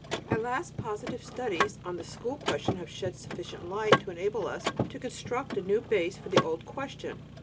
At last positive studies on the school question have shed sufficient light to enable us to construct a new base for the old question.